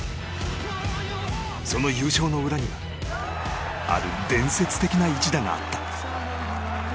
その優勝の裏にある伝説的な一打があった。